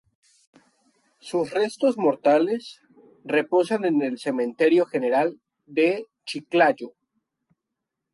Sus restos mortales reposan en el cementerio general de Chiclayo.